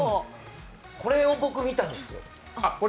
これを僕、見たんですよ。